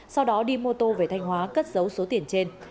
sau đó đi mô tô về thanh hóa cất dấu số tiền trên